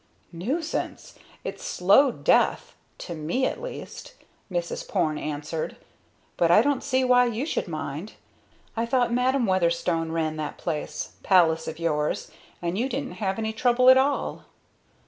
"Nuisance! It's slow death! to me at least," Mrs. Porne answered. "But I don't see why you should mind. I thought Madam Weatherstone ran that palace, of yours, and you didn't have any trouble at all."